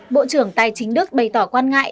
bộ trưởng tài chính đức bày tỏ quan ngại